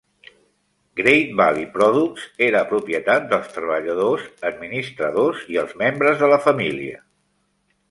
Great Valley Products era propietat dels treballadors administradors i els membres de la família.